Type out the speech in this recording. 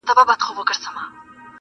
چاته وايی سخاوت دي یزداني دی-